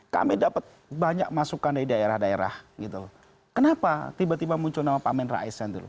kami dapat banyak masukan dari daerah daerah gitu kenapa tiba tiba muncul nama pak amin rais